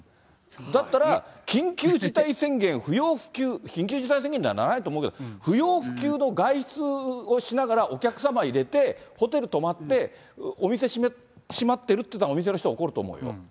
だったら、緊急事態宣言、不要不急、緊急事態宣言にはならないと思うけど、不要不急の外出をしながらお客様入れて、ホテル泊まって、お店閉まってるっていったら、お店の人怒ると思うよ。